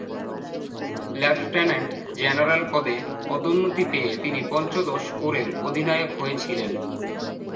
Lieutenant general পদে পদোন্নতি পেয়ে তিনি পঞ্চদশ কোরের অধিনায়ক হয়েছিলেন।